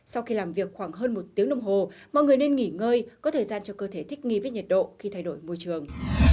sau khi làm việc khoảng hơn một tiếng đồng hồ mọi người nên nghỉ ngơi có thời gian cho cơ thể thích nghi với nhiệt độ khi thay đổi môi trường